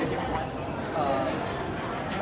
อีกครั้งมาก